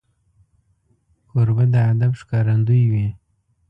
کوربه د ادب ښکارندوی وي.